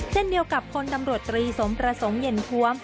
เช่นเดียวกับคนตำรวจตรีสมประสงค์เย็นทวม